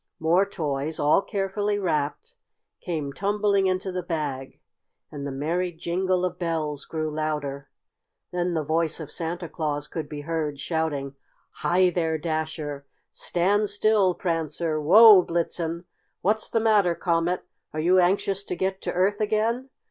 More toys, all carefully wrapped, came tumbling into the bag, and the merry jingle of bells grew louder. Then the voice of Santa Claus could be heard shouting: "Hi there, Dasher! Stand still, Prancer! Whoa, Blitzen! What's the matter, Comet? Are you anxious to get to Earth again?